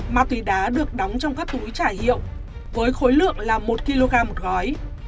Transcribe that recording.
ma túy đá được đóng trong các túi trải hiệu với khối lượng là một kg một gói